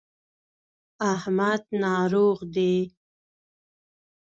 احمد ناروغ دی.